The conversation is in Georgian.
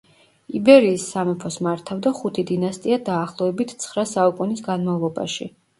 იბერიის სამეფოს მართავდა ხუთი დინასტია დაახლოებით ცხრა საუკუნის განმავლობაში.